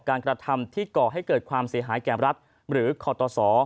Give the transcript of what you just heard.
กระทำที่ก่อให้เกิดความเสียหายแก่รัฐหรือคอตส